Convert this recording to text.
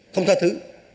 không tha thứ